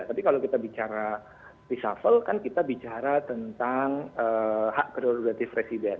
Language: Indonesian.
tapi kalau kita bicara reshuffle kan kita bicara tentang hak prerogatif presiden